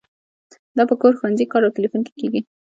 دا په کور، ښوونځي، کار او تیلیفون کې کیږي.